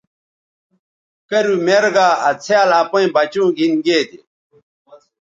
کرُو میر گا آ څھیال اپئیں بچوں گھِن گے دے۔